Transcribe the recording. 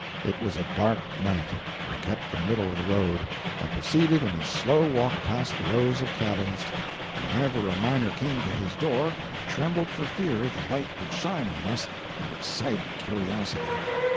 It was a dark night. We kept the middle of the road, and proceeded in a slow walk past the rows of cabins, and whenever a miner came to his door I trembled for fear the light would shine on us and excite curiosity.